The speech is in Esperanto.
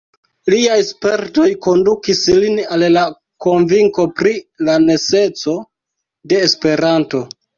Liaj spertoj kondukis lin al la konvinko pri la neceso de Esperanto.